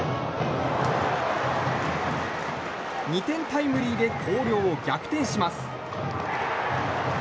２点タイムリーで広陵を逆転します。